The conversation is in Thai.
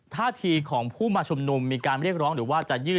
ท่าทีของผู้มาชุมนุมมีการเรียกร้องหรือว่าจะยื่น